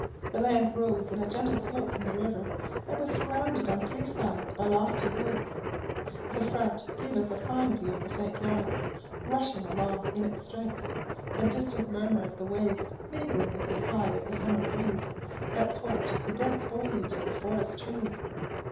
The land rose in a gentle slope from the river, and was surrounded on three sides by lofty woods. The front gave us a fine view of the St. Lawrence, rushing along in its strength, the distant murmur of the waves mingling with the sigh of the summer breeze, that swept the dense foliage of the forest trees.